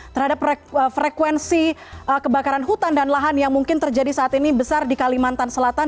terhadap frekuensi kebakaran hutan dan lahan yang mungkin terjadi saat ini besar di kalimantan selatan